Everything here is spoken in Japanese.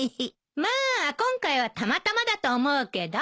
まあ今回はたまたまだと思うけど。